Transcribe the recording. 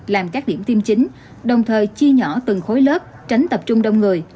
làm các điểm tiêm chính đồng thời chia nhỏ từng khối lớp tránh tập trung đông người